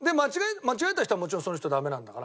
間違えた人はもちろんその人ダメなんだから。